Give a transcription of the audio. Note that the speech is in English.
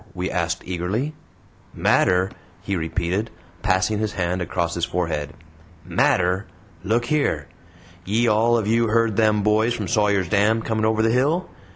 we asked eagerly. "Matter!" he repeated, passing his hand across his forehead. "Matter! Look yere! Ye all of you heard them boys from Sawyer's Dam coming over the hill?